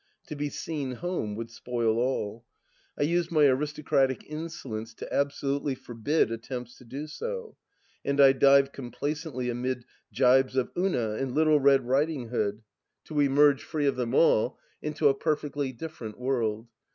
To be " seen home " would spoU all. I use my aristocratic insolence to abso lutely forbid attempts to do so, and I dive complacently amid gibes of "Unal" and "Little Red Riding Hood I" THE LAST DITCH 227 to emerge, free of them all, into a perfectly different world.